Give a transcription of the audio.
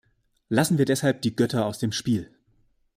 Lassen wir deshalb die Götter aus dem Spiel.